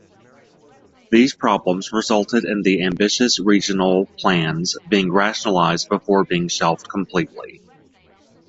These problems resulted in the ambitious regional plans being rationalised before being shelved completely.